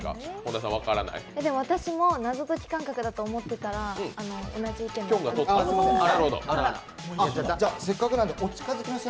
私も謎解き感覚だと思ってたら、同じ意見でした。